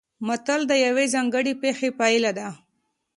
متل د یوې ځانګړې پېښې پایله ده